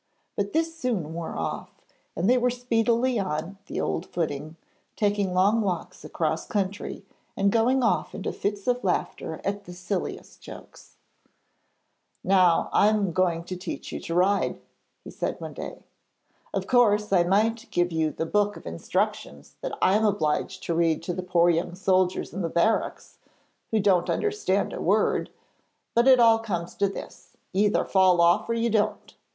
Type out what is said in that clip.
But this soon wore off, and they were speedily on the old footing, taking long walks across country, and going off into fits of laughter at the silliest jokes. 'Now I am going to teach you to ride,' he said one day. 'Of course, I might give you the book of instructions that I am obliged to read to the poor young soldiers in the barracks, who don't understand a word; but it all comes to this you either fall off or you don't.